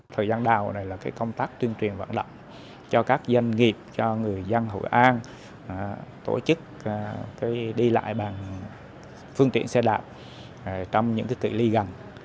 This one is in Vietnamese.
thời gian đào này là công tác tuyên truyền vận động cho các doanh nghiệp cho người dân hội an tổ chức đi lại bằng phương tiện xe đạp trong những tự ly gần